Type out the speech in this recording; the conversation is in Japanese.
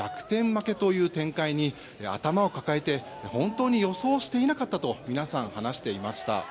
負けという展開に頭を抱えて本当に予想していなかったと皆さん、話していました。